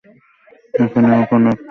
ওখানে কোনো একটা দোকানের ভেতরে চলে যাও।